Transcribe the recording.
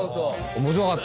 面白かった。